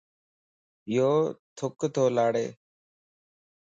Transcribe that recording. يو ٿُڪ تو لاڙي